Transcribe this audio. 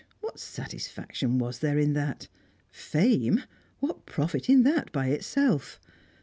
What satisfaction was there in that? Fame! What profit in that by itself?